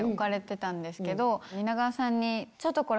蜷川さんに。